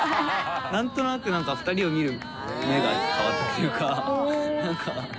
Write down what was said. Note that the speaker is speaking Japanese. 何となく何か二人を見る目が変わったというか何か。